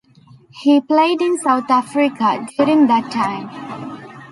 He played in South Africa during that time.